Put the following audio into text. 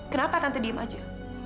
kenapa tante diem aja